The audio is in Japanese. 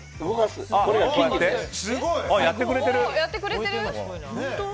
すごい、やってくれてる！